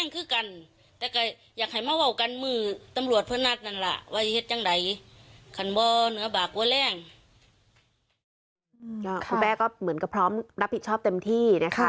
คุณแม่ก็เหมือนกับพร้อมรับผิดชอบเต็มที่นะคะ